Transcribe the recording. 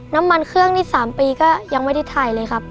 น้ำมันเครื่องนี่๓ปีก็ยังไม่ได้ถ่ายเลยครับ